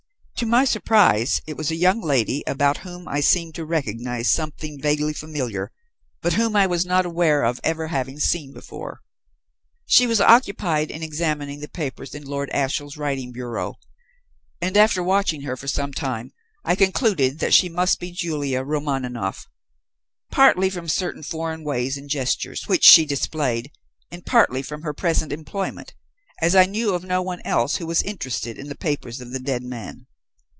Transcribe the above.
To my surprise it was a young lady about whom I seemed to recognize something vaguely familiar, but whom I was not aware of ever having seen before. She was occupied in examining the papers in Lord Ashiel's writing bureau, and after watching her for some time, I concluded that she must be Julia Romaninov; partly from certain foreign ways and gestures which she displayed, and partly from her present employment, as I knew of no one else who was interested in the papers of the dead man.